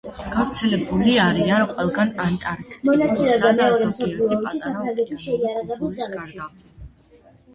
გავრცელებული არიან ყველგან, ანტარქტიდისა და ზოგიერთი პატარა ოკეანური კუნძულის გარდა.